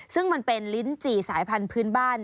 ซึ่งมันเป็นลิ้นจี่สายพันธุ์พื้นบ้าน